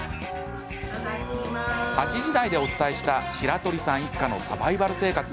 ８時台でお伝えした白鳥さん一家のサバイバル生活。